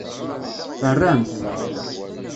Terramt.